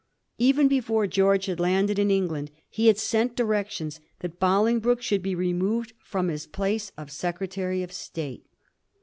Even before George had landed in England he had sent directions that Bolingbroke should be removed from his place of Secretary of State.